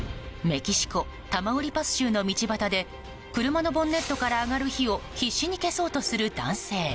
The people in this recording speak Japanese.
メキシコ・タマウリパス州の道端で車のボンネットから上がる火を必死に消そうとする男性。